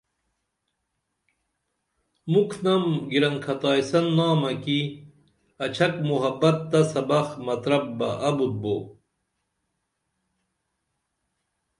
مُکھ نم گِرن کھتائیسن نامہ کی اچھک محبت تہ سبخ مترپ بہ ابُت بو